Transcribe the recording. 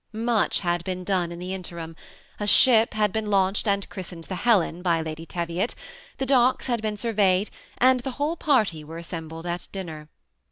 Much had been done in the interim, — a ship had been launched, and christened " The Helen " by Lady Teviot ; the docks had been surveyed, and the whole party were assembled at dinner.